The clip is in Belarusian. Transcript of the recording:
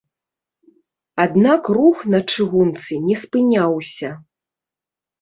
Аднак рух на чыгунцы не спыняўся.